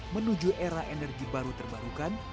menuju era energi baru terbarukan